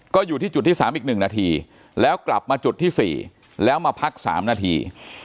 ก็อยู่ที่จุดที่๓อีก๑นาทีแล้วกลับมาจุดที่๔แล้วมาพัก๓นาที